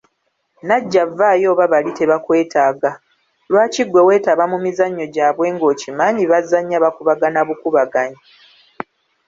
Najja vvaayo oba bali tebakwetaaga, lwaki ggwe weetaba mu mizannyo gyabwe ng'okimanyi bazannya bakubagana bukubaganyi.